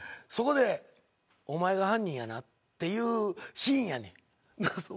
そこで「お前が犯人やな」っていうシーンやねん。